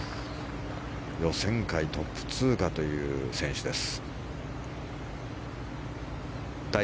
予選会トップ通過という選手です。